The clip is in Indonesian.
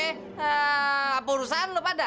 hah apa urusan lo pada